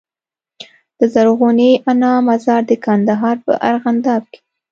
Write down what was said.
د زرغونې انا مزار د کندهار په ارغنداب کي